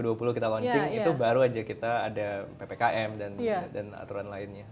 dua ribu dua puluh kita launching itu baru aja kita ada ppkm dan aturan lainnya